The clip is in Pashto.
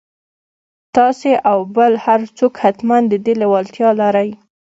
تاسې او بل هر څوک حتماً د دې لېوالتيا لرئ.